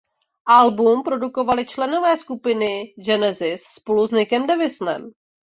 Album produkovali členové skupiny Genesis spolu s Nickem Davisem.